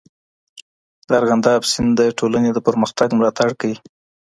د ارغنداب سیند د ټولنې د پرمختګ ملاتړ کوي.